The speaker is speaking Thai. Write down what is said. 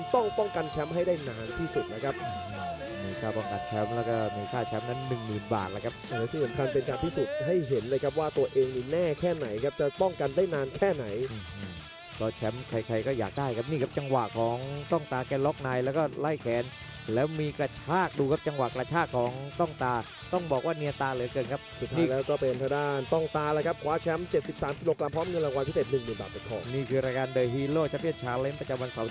ต้องการรับรับรับรับต้องการรับรับรับรับรับรับรับรับรับรับรับรับรับรับรับรับรับรับรับรับรับรับรับรับรับรับรับรับรับรับรับรับรับรับรับรับรับรับรับรับรับรับรับรับรับรับรับรับรับรับรับรับรับรับรับรับรับรับรับรับรับรับรับรับรับรับ